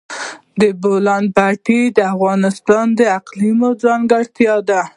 د بولان پټي د افغانستان د اقلیم ځانګړتیا ده.